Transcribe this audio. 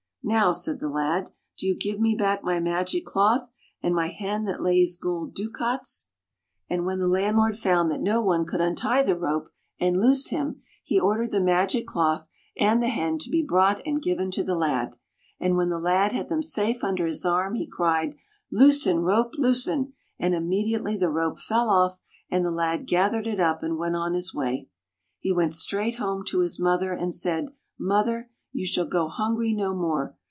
" Now," said the lad, " do you give me back my magic cloth, and my hen that lays gold ducats." 123 ] FAVORITE FAIRY TALES RETOLD And when the landlord found that no one could untie the rope and loose him, he ordered the magic cloth and the hen to be brought and given to the lad. And when the lad had them safe under his arm, he cried, " Loosen, rope, loosen," and immediately the rope fell off, and the lad gathered it up and went on his way. He went straight home to his mother, and said, " Mother, you shall go hungry no more.